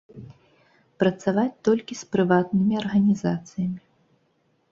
Працаваць толькі з прыватнымі арганізацыямі.